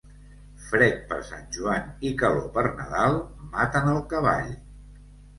Fred per Sant Joan i calor per Nadal, maten el cavall.